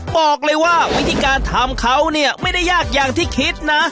บอกเลยว่าวิธีการทำเขาเนี่ยไม่ได้ยากอย่างที่คิดนะ